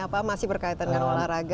apa masih berkaitan dengan olahraga